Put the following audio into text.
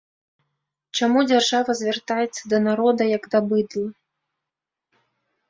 Чаму дзяржава звяртаецца да народа, як да быдла?